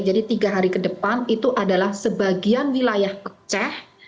jadi tiga hari ke depan itu adalah sebagian wilayah aceh